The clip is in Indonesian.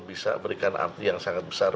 bisa memberikan arti yang sangat besar